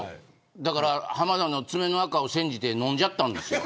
だから浜田の爪の垢をせんじて飲んじゃったんですよ。